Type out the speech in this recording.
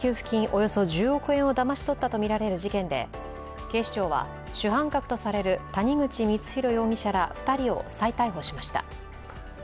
およそ１０億円をだまし取ったとみられる事件で、警視庁は主犯格とされる谷口光弘容疑者ら２人を再逮捕しました。